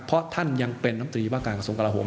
เพราะท่านยังเป็นน้ำตรีว่าการกระทรวงกลาโหม